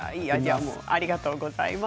ありがとうございます。